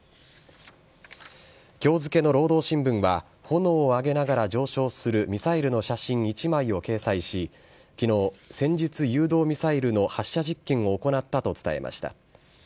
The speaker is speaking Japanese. きょう付けの労働新聞は炎を上げながら上昇するミサイルの写真１枚を掲載し、きのう、戦術誘導ミサイルの発射実験を行ったと伝えました。